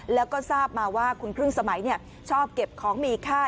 แล้วก็ทราบมาว่าคุณครึ่งสมัยชอบเก็บของมีค่า